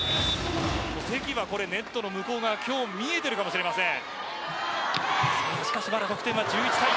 関はネットの向こう側今日見えているかもしれません。